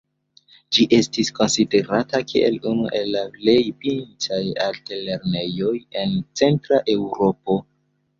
Ĝi estis konsiderata kiel unu el la plej pintaj altlernejoj en Centra Eŭropo.